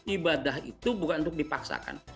ibadah itu bukan untuk dipaksakan